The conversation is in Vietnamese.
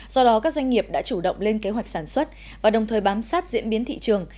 do đó các doanh nghiệp đã chủ động lên kế hoạch sản xuất và đồng thời bám sát diễn biến thị trường